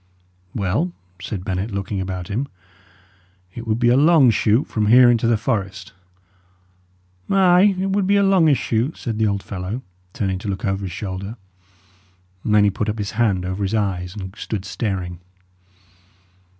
"Well," said Bennet, looking about him, "it would be a long shoot from here into the forest." "Ay, it would be a longish shoot," said the old fellow, turning to look over his shoulder; and then he put up his hand over his eyes, and stood staring.